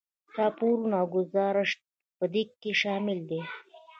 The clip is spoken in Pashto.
راپورونه او ګذارشات په دې کې شامل دي.